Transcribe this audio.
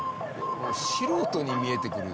素人に見えてくる。